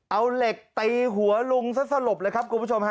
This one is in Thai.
เอาเหล็กตีหัวลุงซะสลบเลยครับคุณผู้ชมฮะ